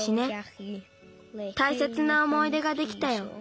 たいせつなおもいでができたよ。